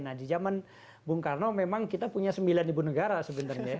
nah di zaman bung karno memang kita punya sembilan ibu negara sebenarnya